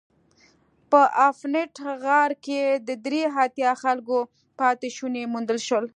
په افنټ غار کې د درې اتیا خلکو پاتې شوني موندل شول.